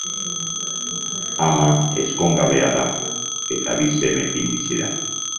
Ama ezkongabea da, eta bi semeekin bizi da.